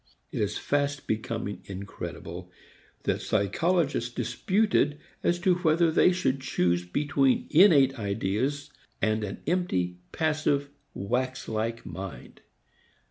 It is fast becoming incredible that psychologists disputed as to whether they should choose between innate ideas and an empty, passive, wax like mind.